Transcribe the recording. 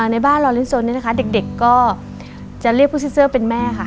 ในบ้านลอเรนโซค่ะเด็กก็จะเรียกพวกซีเซอร์เป็นแม่ค่ะ